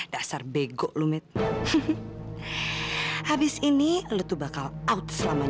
dan sudah siap sekarang